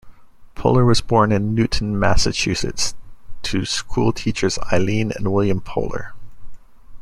Poehler was born in Newton, Massachusetts, to school teachers Eileen and William Poehler.